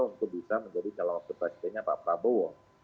untuk bisa menjadi calon suplasitanya pak prabowo